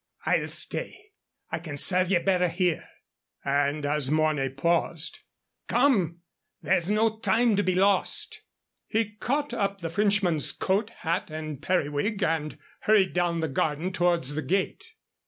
"I'll stay. I can serve ye better here"; and as Mornay paused, "Come, there's no time to be lost." He caught up the Frenchman's coat, hat, and periwig, and hurried down the garden towards the gate.